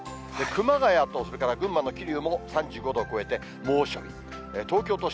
熊谷とそれから群馬の桐生も３５度を超えて、猛暑日。